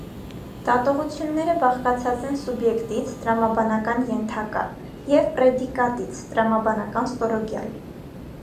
Դատողությունները բաղկացած են սուբյեկտից (տրամաբանական ենթակա) և պրեդիկատից (տրամաբանական ստորոգյալ)։